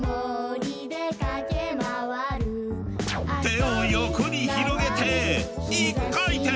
手を横に広げて１回転！